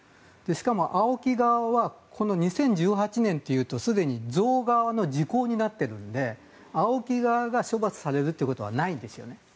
しかもＡＯＫＩ側はこの２０１８年というとすでに贈側の時効になっているのでＡＯＫＩ側が処罰されるということはないんですね。